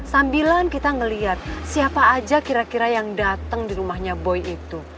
sambilan kita melihat siapa aja kira kira yang datang di rumahnya boy itu